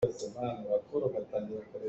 Caw hi saṭil a si.